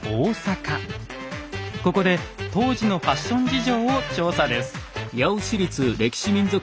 ここで当時のファッション事情を調査です。